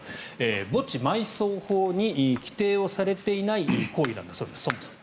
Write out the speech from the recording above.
墓地埋葬法に規定をされていない行為なんだそうです、そもそも。